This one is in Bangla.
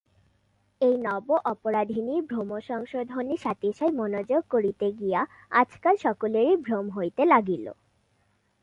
এই নব অপরাধিনীর ভ্রমসংশোধনে সাতিশয় মনোযোগ করিতে গিয়া আজকাল সকলেরই ভ্রম হইতে লাগিল।